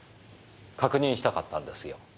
確認したかったんですよ。